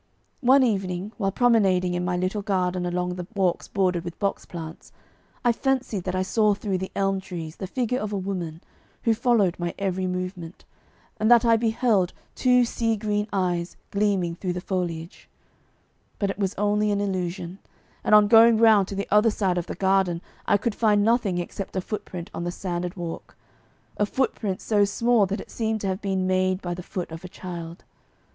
One evening, while promenading in my little garden along the walks bordered with box plants, I fancied that I saw through the elm trees the figure of a woman, who followed my every movement, and that I beheld two sea green eyes gleaming through the foliage; but it was only an illusion, and on going round to the other side of the garden, I could find nothing except a footprint on the sanded walk a footprint so small that it seemed to have been made by the foot of a child.